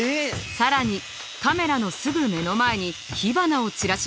更にカメラのすぐ目の前に火花を散らします。